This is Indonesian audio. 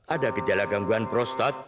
ada gejala gangguan prostat